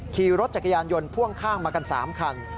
ขี่รถจักรยานยนต์พ่วงข้างมากัน๓คัน